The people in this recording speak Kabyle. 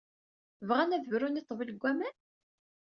Bɣan ad brun i ḍḍbel deg waman?